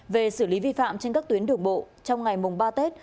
về xử lý vi phạm trên các tuyến đường bộ trong ngày mùng ba tết